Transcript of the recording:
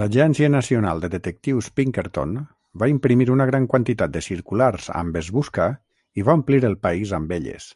L'Agència Nacional de Detectius Pinkerton va imprimir una gran quantitat de circulars amb "Es busca" i va omplir el país amb elles.